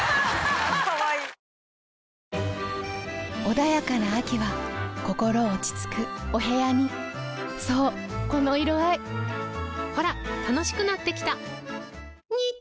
穏やかな秋は心落ち着くお部屋にそうこの色合いほら楽しくなってきた！